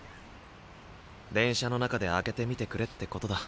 電車の中で開けてみてくれってことだ。